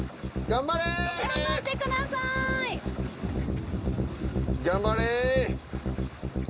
頑張れ！